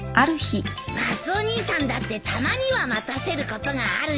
マスオ兄さんだってたまには待たせることがあるよ。